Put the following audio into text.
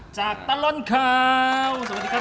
จากตะรนคราว